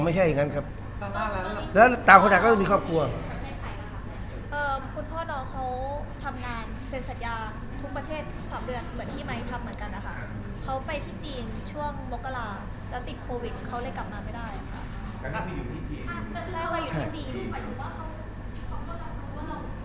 ไม่ใช่อย่างงั้นครับแล้วต่างคนต่างก็จะมีครอบครัวเอ่อคุณพ่อน้องเขาทำงานเซ็นสัตยาทุกประเทศสามเดือน